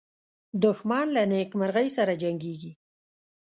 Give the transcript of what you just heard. دښمن له نېکمرغۍ سره جنګیږي